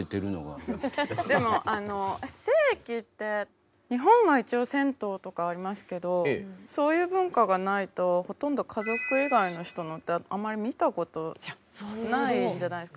でもあの性器って日本は一応銭湯とかありますけどそういう文化がないとほとんど家族以外の人のってあんまり見たことないじゃないですか。